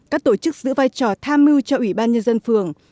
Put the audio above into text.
các tổ chức giữ vai trò tham mưu cho ủy ban nhân dân phường